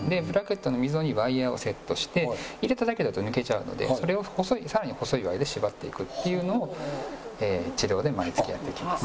ブラケットの溝にワイヤーをセットして入れただけだと抜けちゃうのでそれを細いさらに細いワイヤーで縛っていくっていうのを治療で毎月やっていきます。